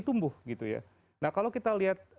tumbuh gitu ya nah kalau kita lihat